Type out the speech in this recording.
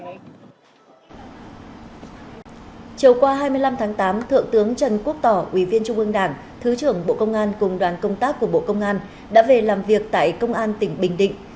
chiều qua hai mươi năm tháng tám thượng tướng trần quốc tỏ ủy viên trung ương đảng thứ trưởng bộ công an cùng đoàn công tác của bộ công an đã về làm việc tại công an tỉnh bình định